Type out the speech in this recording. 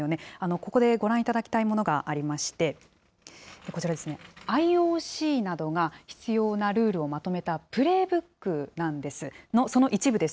ここでご覧いただきたいものがありまして、こちらですね、ＩＯＣなどが必要なルールをまとめたプレイブックなんです、その一部です。